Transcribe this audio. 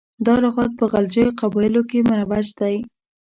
دا لغات په غلجو قبایلو کې مروج دی.